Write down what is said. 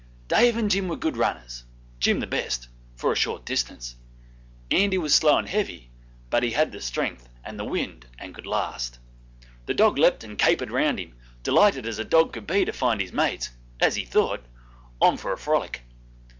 Dave and Jim were good runners Jim the best for a short distance; Andy was slow and heavy, but he had the strength and the wind and could last. The dog leapt and capered round him, delighted as a dog could be to find his mates, as he thought, on for a frolic.